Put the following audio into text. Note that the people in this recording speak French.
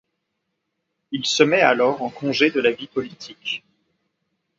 Il se met alors en congés de la vie politique.